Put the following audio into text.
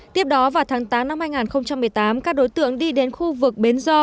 tiếp đó vào tháng tám năm hai nghìn một mươi tám các đối tượng đi đến khu vực bến do